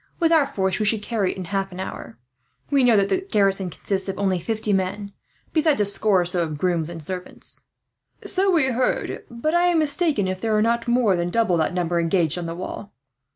With our force we should carry it in half an hour. We know that the garrison consists of only fifty men, besides a score or so of grooms and servants." "So we heard; but I am mistaken if there were not more than double that number engaged on the wall.